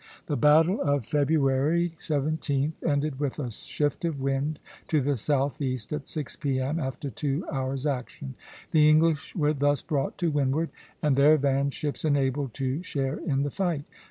The battle of February 17th ended with a shift of wind to the southeast at six P.M., after two hours action. The English were thus brought to windward, and their van ships enabled to share in the fight.